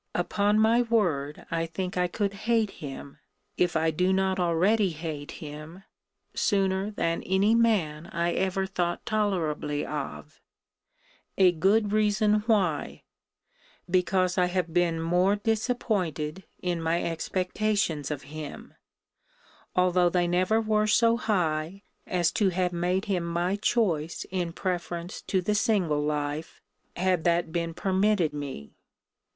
Upon my word, I think I could hate him, (if I do not already hate him) sooner than any man I ever thought tolerably of a good reason why: because I have been more disappointed in my expectations of him; although they never were so high, as to have made him my choice in preference to the single life, had that been permitted me.